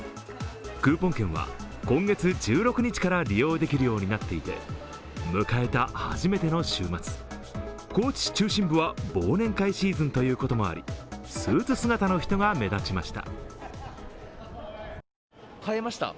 クーポン券は今月１６日から利用できるようになっていて迎えた初めての週末、高知市中心部は忘年会シーズンということもあり、スーツ姿の人が目立ちました。